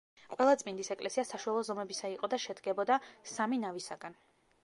ყველაწმინდის ეკლესია საშუალო ზომებისა იყო და შედგებოდა სამი ნავისაგან.